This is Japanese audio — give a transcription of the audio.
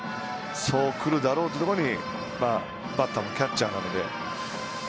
そう来るだろうというところにバッターもキャッチャーなので。